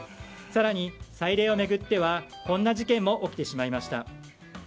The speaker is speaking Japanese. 更に、彩礼を巡ってはこんな事件も起きてしまいました。